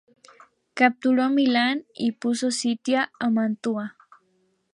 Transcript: Capturó Milán y puso sitio a Mantua.